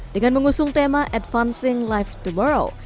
dengan mengusung tema advancing life tomorrow